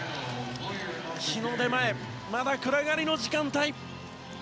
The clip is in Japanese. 日の出前、まだ暗がりの時間帯。